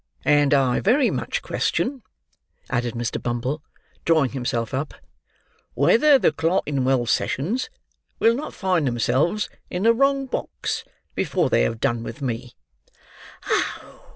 And I very much question," added Mr. Bumble, drawing himself up, "whether the Clerkinwell Sessions will not find themselves in the wrong box before they have done with me."